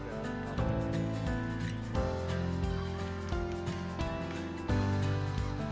ini abruptly pearang juga